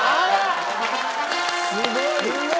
すごい！